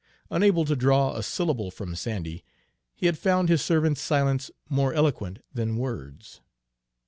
Unable to draw a syllable from Sandy, he had found his servant's silence more eloquent than words.